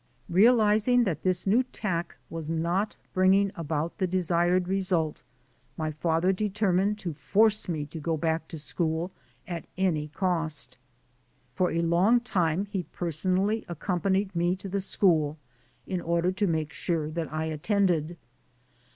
Realizing that this new tack was not bringing about the desired result, my father determined to force me to go back to school at any cost. For a long time he personally accompanied me to the school in order to make sure that I attended.